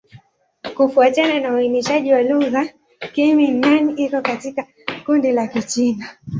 Kufuatana na uainishaji wa lugha, Kimin-Nan iko katika kundi la Kichina.